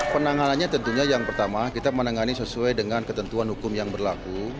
penanganannya tentunya yang pertama kita menangani sesuai dengan ketentuan hukum yang berlaku